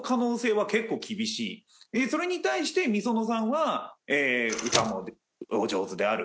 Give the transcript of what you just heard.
それに対してｍｉｓｏｎｏさんは歌もお上手である。